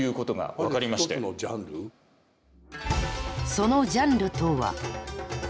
そのジャンルとは。